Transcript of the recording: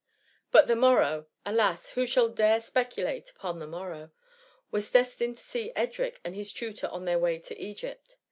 But the morrow — (alas ! who shall dare spe culate upon the morrow ?) was destined to see Edric and his tutor on their way to Egypt.